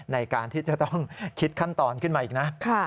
ในการที่จะต้องคิดขั้นตอนขึ้นมาอีกนะ